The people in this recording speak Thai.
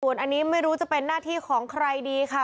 อันนี้ไม่รู้จะเป็นหน้าที่ของใครดีค่ะ